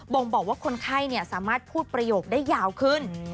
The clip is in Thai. ่งบอกว่าคนไข้สามารถพูดประโยคได้ยาวขึ้น